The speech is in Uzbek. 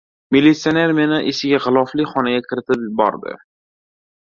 Militsioner meni eshigi g‘ilofli xonaga kiritib bordi.